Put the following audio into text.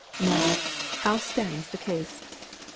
Now, how stands the case.